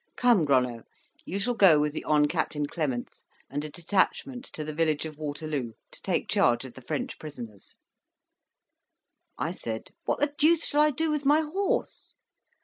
Come, Gronow, you shall go with the Hon. Captain Clements and a detachment to the village of Waterloo, to take charge of the French prisoners." I said, "What the deuce shall I do with my horse?"